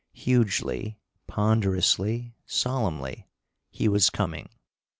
Hugely, ponderously, solemnly, he was coming.